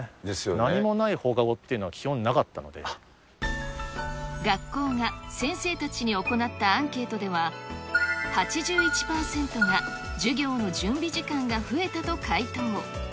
何もない放課後学校が先生たちに行ったアンケートでは、８１％が授業の準備時間が増えたと回答。